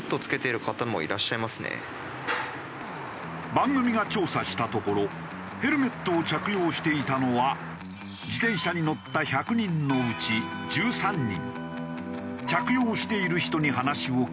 番組が調査したところヘルメットを着用していたのは自転車に乗った１００人のうち１３人。